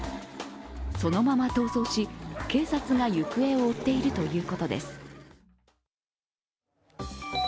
そのまま逃走し、警察が行方を追っているということです。